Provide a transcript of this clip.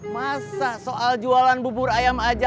masa soal jualan bubur ayam aja